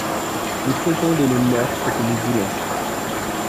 Nous faisons de nos morts ce que nous voulons.